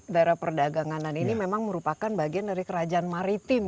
daerah perdagangan dan ini memang merupakan bagian dari kerajaan maritim